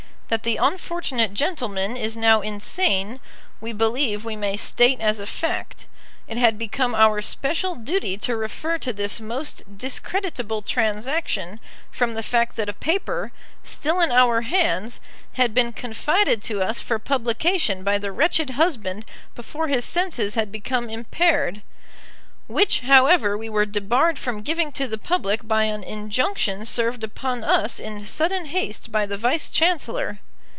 That the unfortunate gentleman is now insane we believe we may state as a fact. It had become our special duty to refer to this most discreditable transaction, from the fact that a paper, still in our hands, had been confided to us for publication by the wretched husband before his senses had become impaired, which, however, we were debarred from giving to the public by an injunction served upon us in sudden haste by the Vice Chancellor.